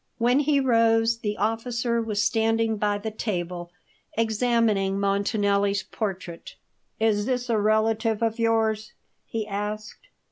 When he rose, the officer was standing by the table, examining Montanelli's portrait. "Is this a relative of yours?" he asked.